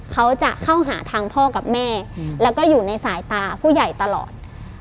เขาจะเข้าหาทางพ่อกับแม่แล้วก็อยู่ในสายตาผู้ใหญ่ตลอด